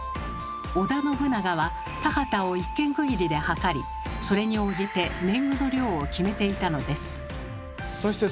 織田信長は田畑を１間区切りで測りそれに応じて年貢の量を決めていたのです。